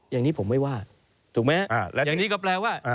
อย่างนี้ผมไม่ว่าถูกไหมอย่างนี้ก็แปลว่า